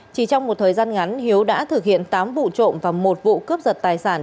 chỉ trong một thời gian ngắn hiếu đã thực hiện tám vụ trộm và một vụ cướp giật tài sản